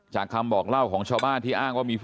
คำบอกเล่าของชาวบ้านที่อ้างว่ามี